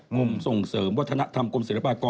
กรมส่งเสริมวัฒนธรรมกรมศิลปากร